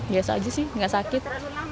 biasa saja sih tidak sakit